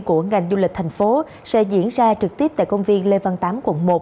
của ngành du lịch thành phố sẽ diễn ra trực tiếp tại công viên lê văn tám quận một